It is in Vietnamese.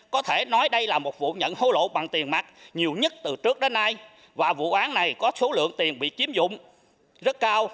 có thể nói đây là một vụ nhận hối lộ bằng tiền mặt nhiều nhất từ trước đến nay và vụ án này có số lượng tiền bị chiếm dụng rất cao